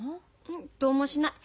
どうもしない。